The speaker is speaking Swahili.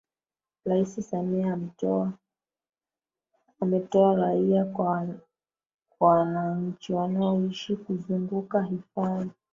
Rais Samia ametoa rai kwa wanachi wanaoishi kuzunguka hifadhi